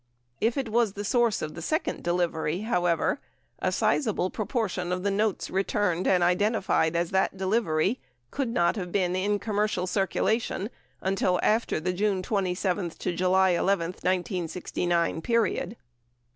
If it was the source of the second delivery, however, a sizable proportion of the notes returned and identified as that delivery could not have been in commercial circula tion until after the June 27 July 11, 1969 period.